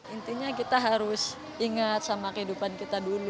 intinya kita harus ingat sama kehidupan kita dulu